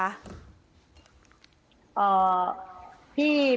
อ่อพี่พี่พัยกับพี่รัฐค่ะ